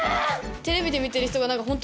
テレビで見てる人が何か本当にいる！